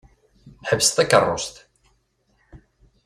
Ḥbes takeṛṛust!